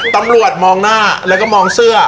ตำรวจมองหน้าแล้วก็มองเสื้อ